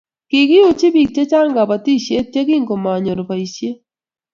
Kikouchi bik chechang kabotisiet ye kingomanyor boisiet